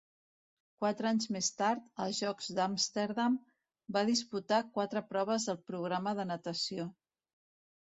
Quatre anys més tard, als Jocs d'Amsterdam, va disputar quatre proves del programa de natació.